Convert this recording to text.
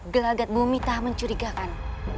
gelagat bu mita mencurigakan